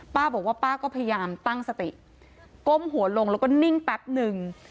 ป้าบอกว่าป้าก็พยายามตั้งสติก้มหัวลงแล้วก็นิ่งแป๊บนึง